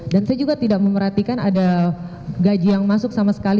dan saya juga tidak memerhatikan ada gaji yang masuk sama sekali